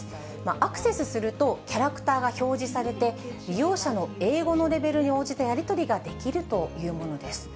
アクセスすると、キャラクターが表示されて、利用者の英語のレベルに応じたやり取りができるというものです。